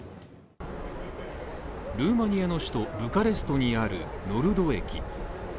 ルーマニアの首都ブカレストにあるノルド駅。